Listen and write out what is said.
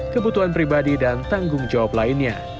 kebutuhan pribadi dan tanggung jawab lainnya